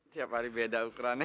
tiap hari beda ukrannya